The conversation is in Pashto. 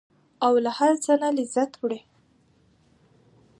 او له هر څه نه لذت وړي.